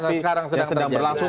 tapi yang sedang berlangsung